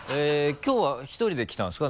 きょうは一人で来たんですか？